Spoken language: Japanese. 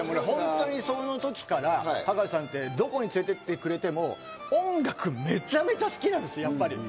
その時から葉加瀬さんって、どこに連れて行ってくれても音楽がめちゃめちゃ好きなんですよ。